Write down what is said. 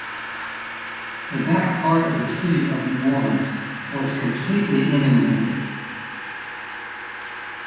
The back part of the city of New Orleans was completely inundated.